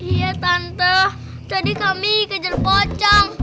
iya tante tadi kami kejar pocang